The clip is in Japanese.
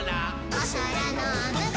「おそらのむこう！？